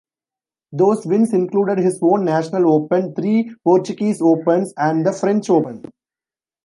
Those wins included his own national open, three Portuguese Opens and the French Open.